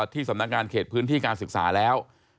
ที่สำนักงานเขตพื้นที่การศึกษาแล้ว